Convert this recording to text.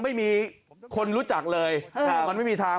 ไม่มีคนรู้จักเลยมันไม่มีทาง